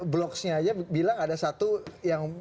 bloksnya aja bilang ada satu yang